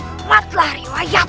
kau matlah riwayat